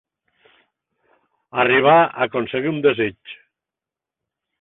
Arribar a aconseguir un desig.